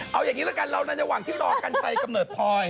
เอาอย่างนี้ละกันเราในระหว่างที่รอกัญชัยกำเนิดพลอย